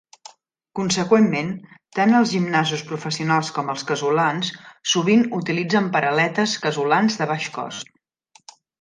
Conseqüentment, tant els gimnasos professionals com els casolans sovint utilitzen paral·lettes "casolans" de baix cost.